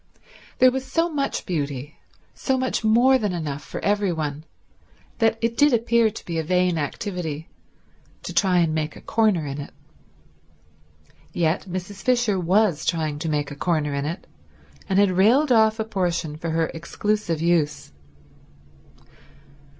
There was so much beauty, so much more than enough for every one, that it did appear to be a vain activity to try and make a corner in it. Yet Mrs. Fisher was trying to make a corner in it, and had railed off a portion for her exclusive use.